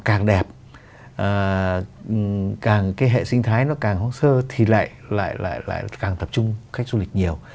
càng đẹp càng cái hệ sinh thái nó càng hoang sơ thì lại càng tập trung khách du lịch nhiều